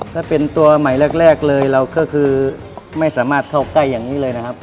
ถ้าเป็นตัวใหม่แรกเลยเราก็คือไม่สามารถเข้าใกล้อย่างนี้เลยนะครับ